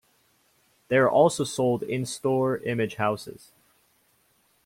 They are also sold in store image houses.